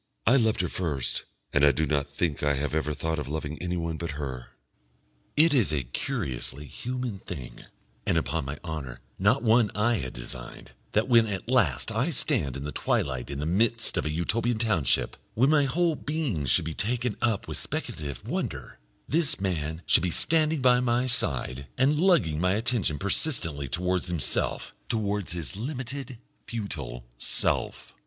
"I loved her first, and I do not think I have ever thought of loving anyone but her." It is a curiously human thing, and, upon my honour, not one I had designed, that when at last I stand in the twilight in the midst of a Utopian township, when my whole being should be taken up with speculative wonder, this man should be standing by my side, and lugging my attention persistently towards himself, towards his limited futile self.